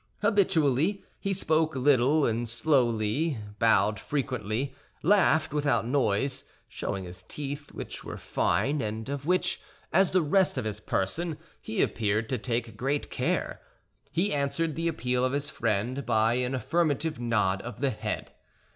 Habitually he spoke little and slowly, bowed frequently, laughed without noise, showing his teeth, which were fine and of which, as the rest of his person, he appeared to take great care. He answered the appeal of his friend by an affirmative nod of the head.